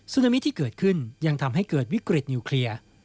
นามิที่เกิดขึ้นยังทำให้เกิดวิกฤตนิวเคลียร์